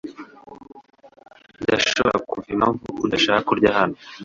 Ndashobora kumva impamvu udashaka kurya hano